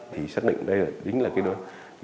thì xác định đây chính là đối tượng